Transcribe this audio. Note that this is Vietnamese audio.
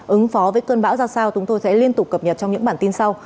ứng phó với cơn bão ra sao chúng tôi sẽ liên tục cập nhật trong những bản tin sau